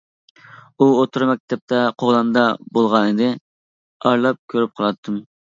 ئۇ ئوتتۇرا مەكتەپتە قوغلاندى بولغانىدى، ئارىلاپ كۆرۈپ قالاتتىم.